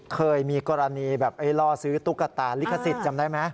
เคยมีกรณีแบบล่อซื้อตุ๊กตาลิขสิทธิ์จำได้ไหม